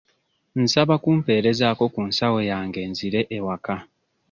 Nsaba kumpeerezaako ku nsawo yange nzire ewaka.